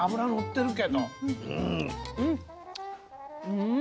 うん。